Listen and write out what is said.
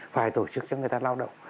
phải tổ chức cho người ta lao động